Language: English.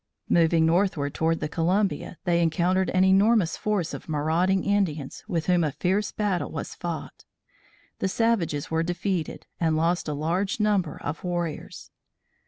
Moving northward toward the Columbia, they encountered an enormous force of marauding Indians with whom a fierce battle was fought. The savages were defeated and lost a large number of warriors.